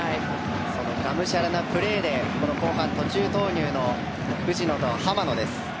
そのがむしゃらなプレーで後半途中投入の藤野と浜野です。